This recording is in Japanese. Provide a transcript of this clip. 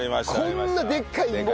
こんなでっかい芋。